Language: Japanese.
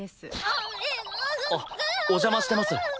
あっお邪魔してます。